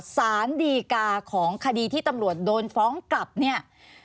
สารดีกาของคดีที่ตำรวจโดนฟ้องกลับเนี่ย